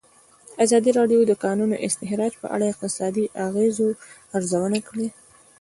ازادي راډیو د د کانونو استخراج په اړه د اقتصادي اغېزو ارزونه کړې.